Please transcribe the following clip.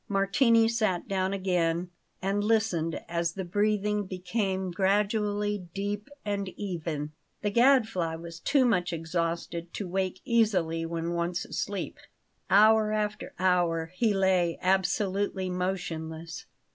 Martini sat down again, and listened as the breathing became gradually deep and even. The Gadfly was too much exhausted to wake easily when once asleep. Hour after hour he lay absolutely motionless.